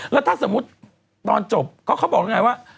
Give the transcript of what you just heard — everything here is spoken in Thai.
แล้วถ้าสมมติตอนจบเขาบอกยังไงว่า